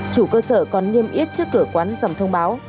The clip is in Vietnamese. chủ cơ sở còn niêm yết trước cửa quán dòng thông báo